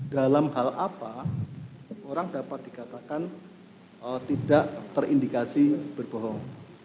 dalam hal apa orang dapat dikatakan tidak terindikasi berbohong